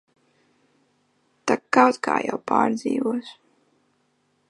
Tak kaut kā jau pārdzīvos.